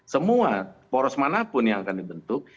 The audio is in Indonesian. semua poros manapun yang akan dibentuk